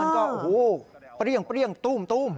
แล้วมันก็โอ้โฮเปรี้ยงตู้ม